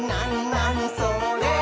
なにそれ？」